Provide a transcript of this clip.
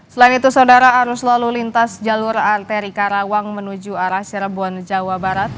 selain itu saudara arus lalu lintas jalur arteri karawang menuju arah cirebon jawa barat